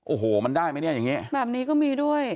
โอ้โหมันได้มั้ยเนี่ยแบบนี้ก็มีด้วย